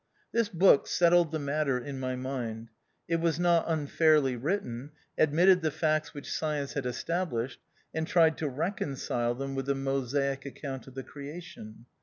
This book settled the matter in my mind : it was not unfairly written, admitted the facts which science had esta blished, and tried to reconcile them with the Mosaic account of the creation.